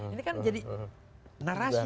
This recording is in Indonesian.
ini kan jadi narasi